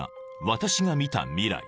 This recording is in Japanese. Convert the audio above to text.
「私が見た未来」